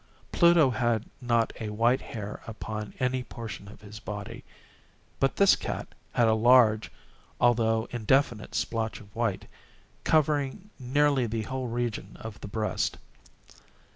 Pluto had not a white hair upon any portion of his body; but this cat had a large, although indefinite splotch of white, covering nearly the whole region of the breast.